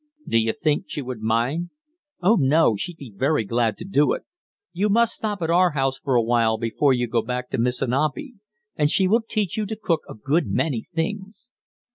"Do you think she would mind?" "Oh, no; she'd be very glad to do it. You must stop at our house for a while before you go back to Missanabie, and she will teach you to cook a good many things."